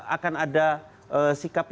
akan ada sikap yang